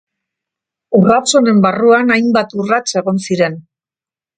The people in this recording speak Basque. Urrats honen barruan hainbat urrats egon ziren.